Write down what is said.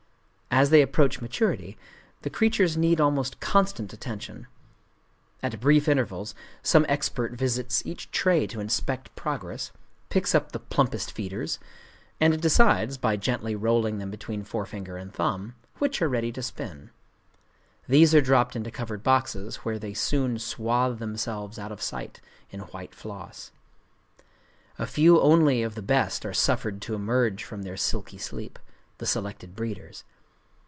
As they approach maturity, the creatures need almost constant attention. At brief intervals some expert visits each tray to inspect progress, picks up the plumpest feeders, and decides, by gently rolling them between forefinger and thumb, which are ready to spin. These are dropped into covered boxes, where they soon swathe themselves out of sight in white floss. A few only of the best are suffered to emerge from their silky sleep,—the selected breeders.